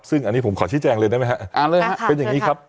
ซึ่งอันนี้ผมขอชิดแจงเลยได้ไหมครับเป็นอย่างนี้ครับ